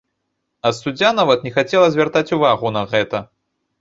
А суддзя нават не хацела звяртаць увагу на гэта!